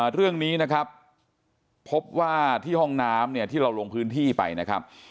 เรื่องนี้นะครับพบว่าที่ห้องน้ำเนี่ยที่เราลงพื้นที่ไปนะครับ